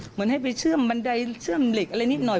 เหมือนให้ไปเชื่อมบันไดเชื่อมเหล็กอะไรนิดหน่อย